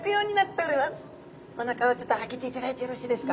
おなかをちょっと開けていただいてよろしいですか？